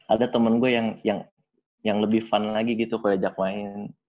ada temen gue yang lebih fun lagi gitu kalau ajak main